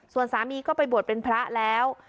ส่วนสามีก็ไปบวชเป็นพระแล้ว